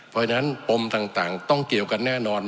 เพราะฉะนั้นปมต่างต้องเกี่ยวกันแน่นอน